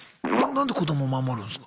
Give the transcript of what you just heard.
何で子どもを守るんすか？